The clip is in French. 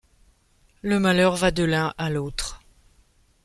Le malheur va de l'un à l'autre.